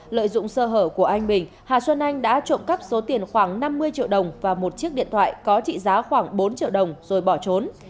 lợi dụng sơ hở của anh bình hà xuân anh đã trộm cắp số tiền khoảng năm mươi triệu đồng và một chiếc điện thoại có trị giá khoảng bốn triệu đồng rồi bỏ trốn